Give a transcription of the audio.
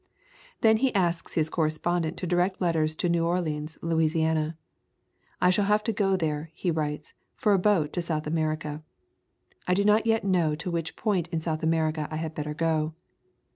Then he asks his correspondent to direct let ters to New Orleans, Louisiana. "I shall have to go there," he writes, "for a boat to South America. I do not yet know to which point in South America I had better go."